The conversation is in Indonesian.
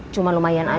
cuma lumayan aja